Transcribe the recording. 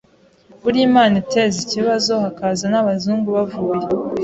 Burya Imana iteza ikibazo hakaza n’abazungu bavuye